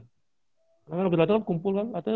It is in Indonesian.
karena berlatih aku kumpul lah